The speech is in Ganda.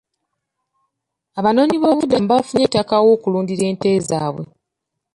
Abanoonyi b'obubudamu baafunye ettaka aw'okulundira ente zaabwe.